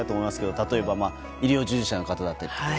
例えば、医療従事者の方だったり。